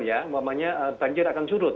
ya banjir akan surut